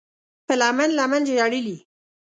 په لمن، لمن ژړلي